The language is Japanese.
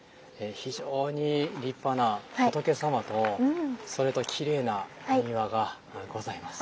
非常に立派な仏様とそれときれいなお庭がございます。